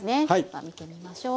見てみましょう。